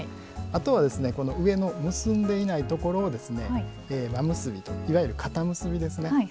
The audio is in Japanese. あとは上の結んでいないところを真結びといわゆる硬結びですね。